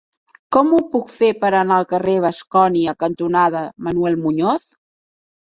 Com ho puc fer per anar al carrer Bascònia cantonada Manuel Muñoz?